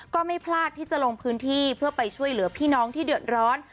ก็ไม่พลาดที่จะลงพื้นที่เพื่อไปช่วยเหลือพี่น้องที่เดือดร้อน